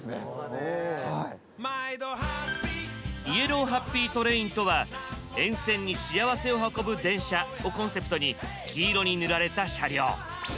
イエローハッピートレインとは「沿線に幸せを運ぶ電車」をコンセプトに黄色に塗られた車両。